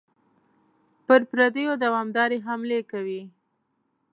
پر پردیو دوامدارې حملې کوي.